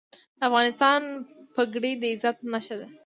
د افغانستان پګړۍ د عزت نښه ده